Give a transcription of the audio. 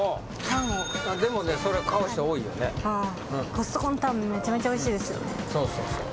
コストコのタンめちゃめちゃおいしいですよね。